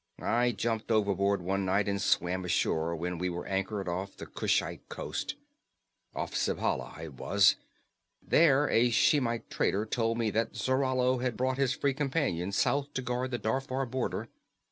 "I jumped overboard one night and swam ashore when we were anchored off the Kushite coast. Off Zabhela, it was. There a Shemite trader told me that Zarallo had brought his Free Companies south to guard the Darfar border.